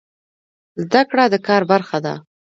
زده کړه د کار برخه ده